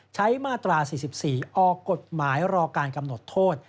มาตรา๔๔ออกกฎหมายรอการกำหนดโทษ